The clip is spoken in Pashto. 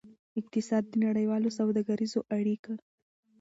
اقتصاد د نړیوالو سوداګریزو اړیک